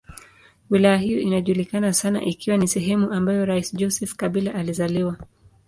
Wilaya hiyo inajulikana sana ikiwa ni sehemu ambayo rais Joseph Kabila alizaliwa.